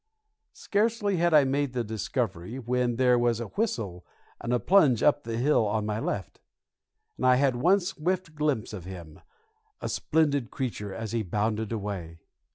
Scarcely had I made the discovery when there was a whistle and a plunge up on the hill on my left, and I had one swift glimpse of him, a splendid creature, as he bounded away.